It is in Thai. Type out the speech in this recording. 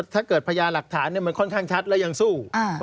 ถ้าเกิดพญาหลักฐานมันค่อนข้างชัดแล้วยังสู้